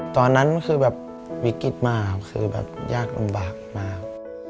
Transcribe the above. ตอนนั้นคือแบบวิกฤตมากครับคือแบบยากลำบากมาก